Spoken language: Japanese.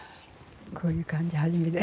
こういう感じ初めて。